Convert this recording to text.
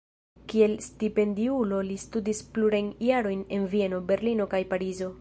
Kiel stipendiulo li studis plurajn jarojn en Vieno, Berlino kaj Parizo.